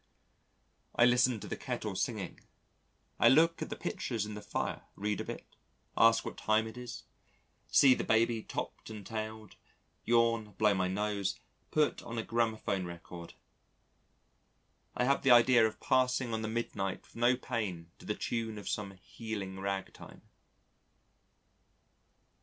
... I listen to the kettle singing, I look at the pictures in the fire, read a bit, ask what time it is, see the Baby "topped and tailed," yawn, blow my nose, put on a gramophone record I have the idea of passing on the midnight with no pain to the tune of some healing ragtime.